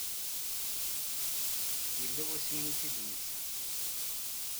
Yella wasmi i tt-id-temmektamt?